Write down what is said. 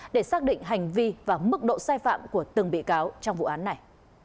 để xác định hành vi và mức độ sai phạm của từng bị cáo trong vụ án này